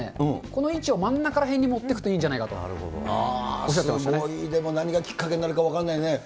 この位置を真ん中らへんに持ってくといいんじゃないかとおっしゃでも何がきっかけになるか分からないよね。